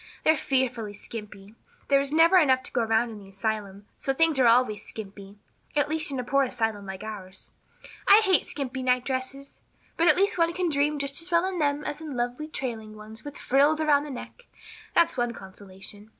They're fearfully skimpy. There is never enough to go around in an asylum, so things are always skimpy at least in a poor asylum like ours. I hate skimpy night dresses. But one can dream just as well in them as in lovely trailing ones, with frills around the neck, that's one consolation."